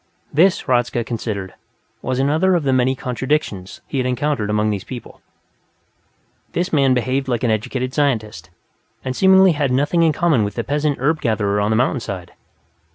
This, Hradzka considered, was another of the many contradictions he had encountered among these people this man behaved like an educated scientist, and seemingly had nothing in common with the peasant herb gatherer on the mountainside.